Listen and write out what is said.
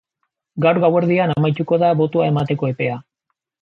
Gaur gauerdian amaituko da botoa emateko epea!